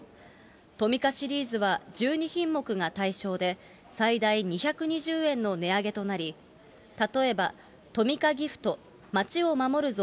トミカシリーズは１２品目が対象で、最大２２０円の値上げとなり、例えばトミカギフト街を守るぞ！